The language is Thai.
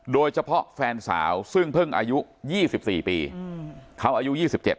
โดยเฉพาะแฟนสาวซึ่งเพิ่งอายุ๒๔ปีเขาอายุ๒๗